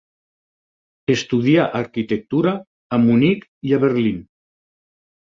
Estudià arquitectura a Munic i a Berlín.